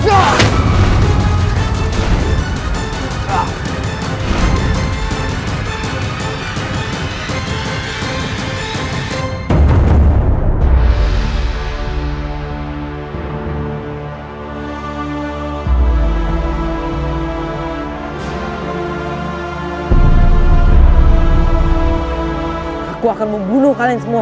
aku akan membunuh kalian semua